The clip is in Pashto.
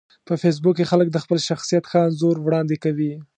په فېسبوک کې خلک د خپل شخصیت ښه انځور وړاندې کوي